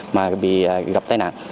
mà bị gặp tai nạn